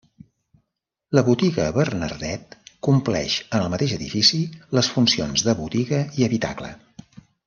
La botiga Bernadet compleix en el mateix edifici les funcions de botiga i habitacle.